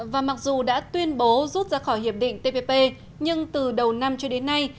và mặc dù đã tuyên bố rút ra khỏi hiệp định tpp nhưng từ đầu năm cho đến nay